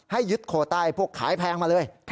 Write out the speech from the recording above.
ให้ยึดโคต้าให้พวกขายแพงมาเลย